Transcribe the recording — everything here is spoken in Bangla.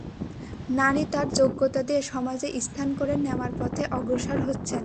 নারী তাঁর যোগ্যতা দিয়ে সমাজে স্থান করে নেওয়ার পথে অগ্রসর হচ্ছেন।